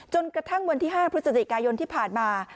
จนกระทั่งวันที่๕พฤศจิกายนที่ผ่านมา